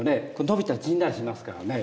伸びたり縮んだりしますからね。